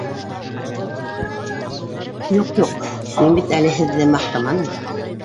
— Юҡ, юҡ, мин бит әле һеҙҙе маҡтаманым